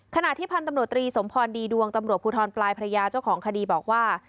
ขณะที่พันธุ์ตำรวจตรีสมพรดีดวงตำรวจภูทรปลายพระยาเจ้าของคดีบอกว่า